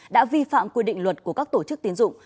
đã vi phạm quy định luật của các tổ chức tiến dụng